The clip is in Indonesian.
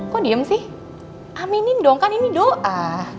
kok diem sih aminin dong kan ini doa